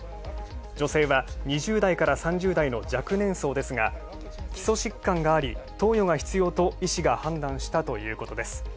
女性は、２０代から３０代の若年層ですが基礎疾患があり、投与が必要と医師が判断したということです。